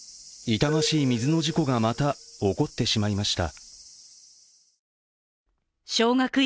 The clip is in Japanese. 痛ましい水の事故がまた、起こってしまいました。